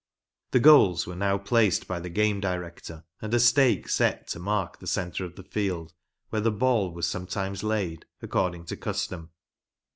The goals were now placed by the game director, and a stake set to mark the centre of the field where the ball was sometimes laid, according to custom.